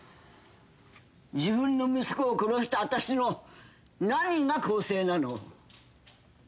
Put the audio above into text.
自分の息子を殺したあたしの何が更生なの？